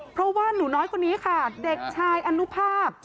เพราะว่าหนูน้อยคนนี้ค่ะเด็กชายอนุภาพ